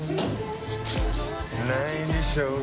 ないでしょう？